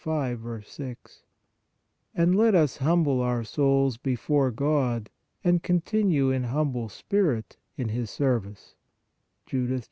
6); and "let us humble our souls before God, and continue in humble spirit in His service" (Judith 8.